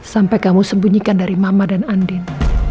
sampai kamu sembunyikan dari mama dan andin